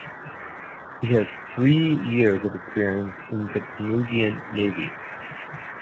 He has three years of experience in the Canadian Navy.